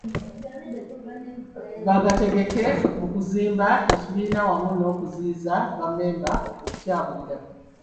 Bagateeke mu kuzimba ekibiina wamu n'okuziyiza bammemba okukyabuulira.